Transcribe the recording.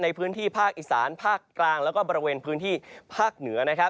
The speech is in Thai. ในพื้นที่ภาคอีสานภาคกลางแล้วก็บริเวณพื้นที่ภาคเหนือนะครับ